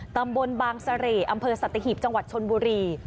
ตำบลบางเสร่อำเภอสัตหีบจังหวัดชนบุรี